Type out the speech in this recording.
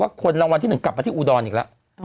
ว่าคนรางวัลที่หนึ่งกลับมาที่อูดอนอีกแล้ว